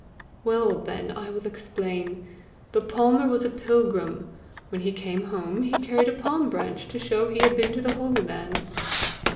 "Well, then, I will explain. The palmer was a pilgrim: when he came home, he carried a palm branch to show he had been to the holy land."